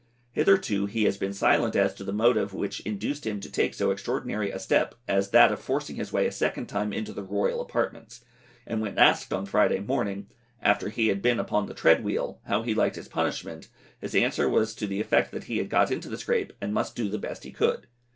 Hitherto he has been silent as to the motive which induced him to take so extraordinary a step as that of forcing his way a second time into the royal apartments, and when asked on Friday morning, after he had been upon the tread wheel, how he liked his punishment, his answer was to the effect that he had got into the scrape, and must do the best he could.